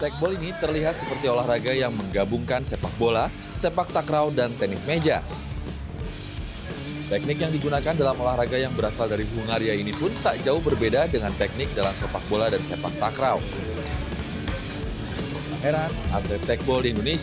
kepala kepala tekbol